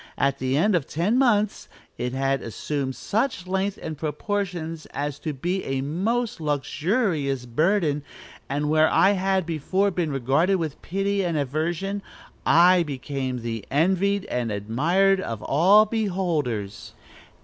At the end of ten months it had assumed such length and proportions as to be a most luxurious burden, and where I had before been regarded with pity and aversion, I became the envied and admired of all beholders.'"